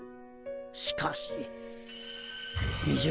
しかしみ